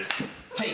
はい。